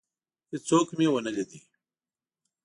هیڅوک مي ونه لید.